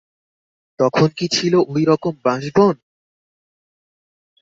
তখন কি ছিল ঐ রকম বাঁশবন!